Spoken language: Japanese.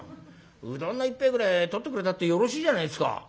うどんの一杯ぐれえ取ってくれたってよろしいじゃないですか」。